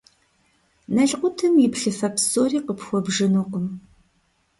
Налкъутым и плъыфэ псори къыпхуэбжынукъым.